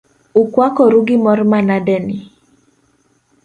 Ukwakoru gi mor manade ni ?